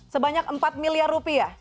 sebanyak empat miliar rupiah